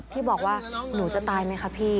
พี่บอกว่าหนูจะตายไหมคะพี่